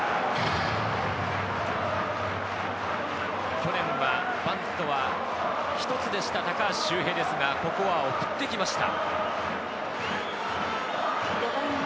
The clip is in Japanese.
去年はバントは１つでした高橋周平ですが、ここは送ってきました。